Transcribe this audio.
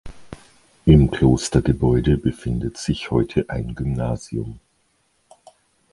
Im Klostergebäude befindet sich heute ein Gymnasium.